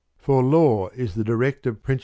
For law is the directive prin \ 3.